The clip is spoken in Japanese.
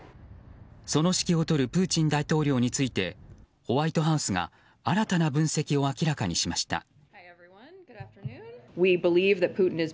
その指揮を執るプーチン大統領についてホワイトハウスが新たな分析を明らかにしました。